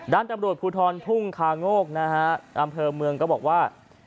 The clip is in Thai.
ด้านตำรวจภูทรทุ่งคาโงกนะฮะอำเภอเมืองก็บอกว่า